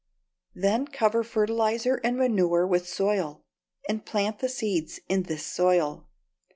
Then cover fertilizer and manure with soil, and plant the seeds in this soil.